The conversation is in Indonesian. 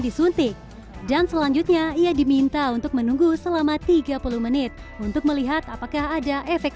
disuntik dan selanjutnya ia diminta untuk menunggu selama tiga puluh menit untuk melihat apakah ada efek